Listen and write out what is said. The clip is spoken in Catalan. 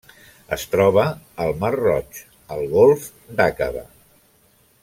Es troba al mar Roig: el Golf d'Aqaba.